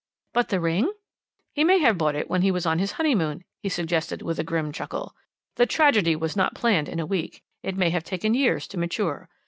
"But the ring?" "He may have bought that when he was on his honeymoon," he suggested with a grim chuckle; "the tragedy was not planned in a week, it may have taken years to mature.